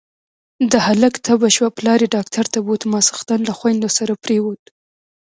د هلک تبه شوه، پلار يې ډاکټر ته بوت، ماسختن له خويندو سره پرېووت.